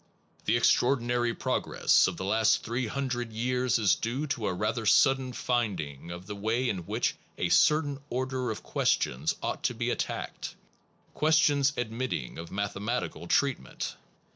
The ex traordinary progress of the last three hundred years is due to a rather sudden finding of the way in which a certain order of questions ought to be attacked, questions admitting of mathe matical treatment.